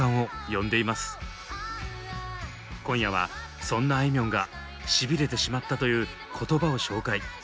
今夜はそんなあいみょんがシビれてしまったという言葉を紹介。